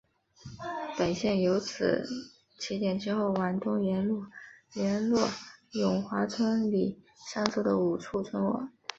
本线由此起点之后往东沿路连络永华村里上述的五处村落。